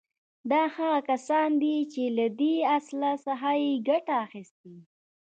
دا هغه کسان دي چې له دې اصل څخه يې ګټه اخيستې.